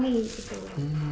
jadi wangi aroma aroma pandan